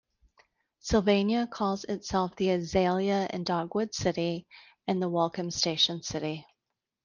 Sylvania calls itself the "Azalea and Dogwood City" and the "Welcome Station City.